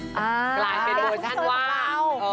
กลายเป็นโอชั่นว่า